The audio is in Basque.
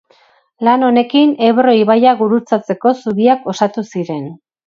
Lan honekin Ebro ibaia gurutzatzeko zubiak osatu ziren.